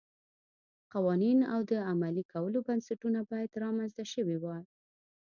قوانین او د عملي کولو بنسټونه باید رامنځته شوي وای.